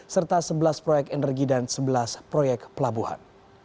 serta sebelas proyek energi dan sebelas proyek pelabuhan